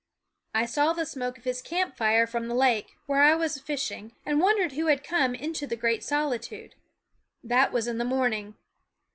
I saw the smoke of his camp fire from the lake, where I was fishing, and wondered who had come into the great solitude. That was in the morning.